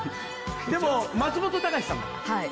でも松本隆さんだから。